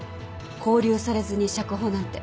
勾留されずに釈放なんて。